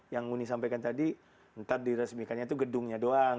yang uni sampaikan tadi ntar diresmikannya itu gedungnya doang